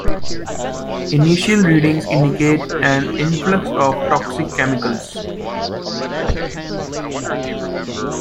Initial readings indicate an influx of toxic chemicals.